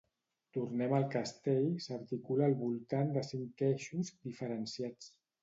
Tornem al Castell s’articula al voltant de cinc eixos diferenciats.